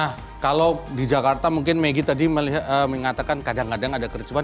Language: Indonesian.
nah kalau di jakarta mungkin megi tadi mengatakan kadang kadang ada kericuhan